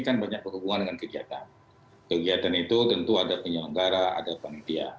kegiatan kegiatan itu tentu ada penyelenggara ada panitia